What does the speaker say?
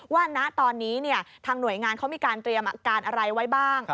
ณตอนนี้ทางหน่วยงานเขามีการเตรียมอาการอะไรไว้บ้าง